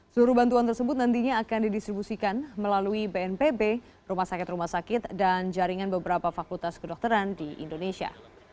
seluruh bantuan tersebut nantinya akan didistribusikan melalui bnpb rumah sakit rumah sakit dan jaringan beberapa fakultas kedokteran di indonesia